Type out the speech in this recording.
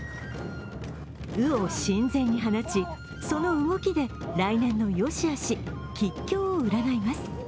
鵜を神前に放ち、その動きで来年の善しあし、吉凶を占います。